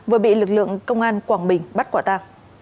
vừa bị lực lượng công an quảng bình bắt quả ta